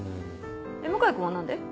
向井君は何で？